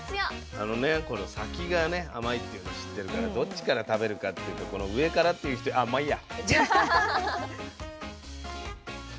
あのねこの先がね甘いっていうの知ってるからどっちから食べるかっていうとこの上からっていう人あっまあいいや。